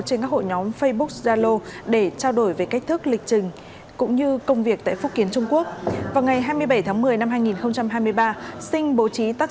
trên các hội nhóm facebook